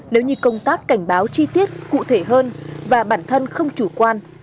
nếu như công tác cảnh báo chi tiết cụ thể hơn và bản thân không chủ quan